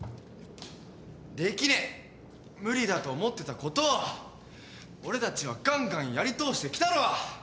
できねえ無理だと思ってたことを俺たちはがんがんやり通してきたろ。